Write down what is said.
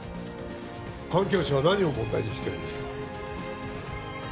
環境省は何を問題にしてるんですか？